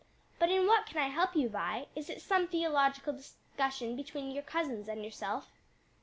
But in what can I help you, Vi? is it some theological discussion between your cousins and yourself?"